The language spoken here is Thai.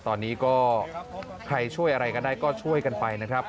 ตอนนี้ก็ใครช่วยอะไรก็ได้ก็ช่วยกันไปนะครับ